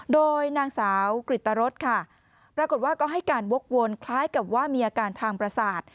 โดยนางสาวกริตรสค่ะปรากฏว่าก็ให้การวกวนคล้ายกับว่ามีอาการทางประสาท